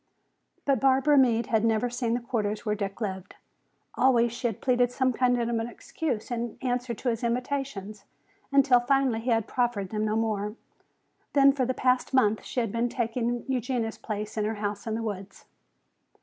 But Barbara Meade had never seen the quarters where Dick lived. Always she had pleaded some kind of an excuse in answer to his invitations, until finally he had proffered them no more. Then for the past month she had been taking Eugenia's place in her house in the woods.